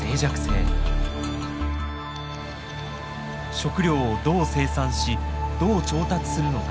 食料をどう生産しどう調達するのか。